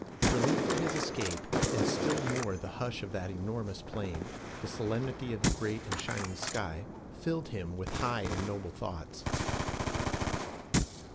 Relief for his escape, and still more the hush of that enormous plain, the solemnity of the great and shining sky, filled him with high and noble thoughts.